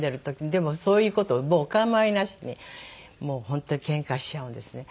でもそういう事もうお構いなしにもう本当にケンカしちゃうんですね。